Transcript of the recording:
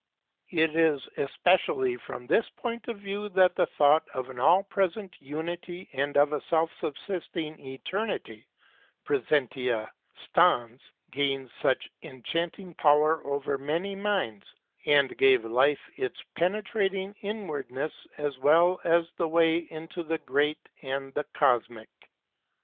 It is especially from this point of view that the thought of an all present unity and of a self subsisting eternity (prcesentia stans) gained such enchanting power over many minds, and gave life its penetrating inward ness as well as the way into the Great and the 48 KNOWLEDGE AND LIFE Cosmic.